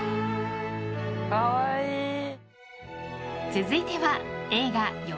［続いては］